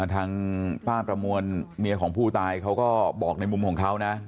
ทางป้าประมวลเมียของผู้ตายเขาก็บอกในมุมของเขานะ